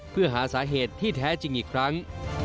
เพื่อหาสาเหตุที่แท้จริงอีกครั้ง